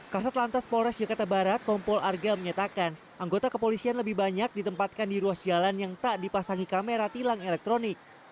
kasat lantas polres jakarta barat kompol arga menyatakan anggota kepolisian lebih banyak ditempatkan di ruas jalan yang tak dipasangi kamera tilang elektronik